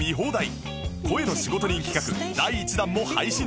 声の仕事人企画第１弾も配信中